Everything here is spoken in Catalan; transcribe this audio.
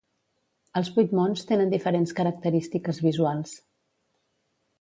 Els vuit mons tenen diferents característiques visuals.